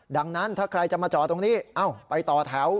ดังนั้นถ้าใครจะมาจอดตรงนี้ไปต่อแถว